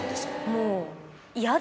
もう。